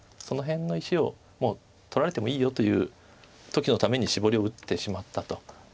その辺の石をもう取られてもいいよという時のためにシボリを打ってしまったと。